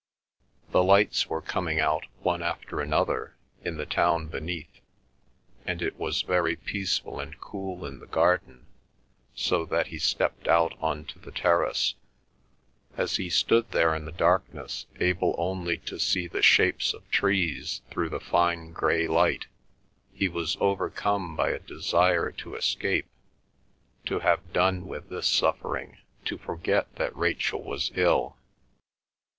The lights were coming out one after another in the town beneath, and it was very peaceful and cool in the garden, so that he stepped out on to the terrace. As he stood there in the darkness, able only to see the shapes of trees through the fine grey light, he was overcome by a desire to escape, to have done with this suffering, to forget that Rachel was ill.